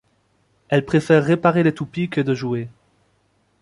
Elle préfère réparer les toupies que de jouer.